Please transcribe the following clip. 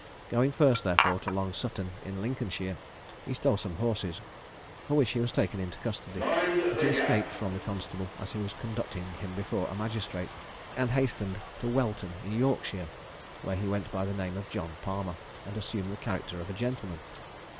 Going first, therefore, to Long Sutton, in Lincolnshire, he stole some horses, for which he was taken into custody; but he escaped from the constable as he was conducting him before a magistrate, and hastened to Welton, in Yorkshire, where he went by the name of John Palmer, and assumed the character of a gentleman.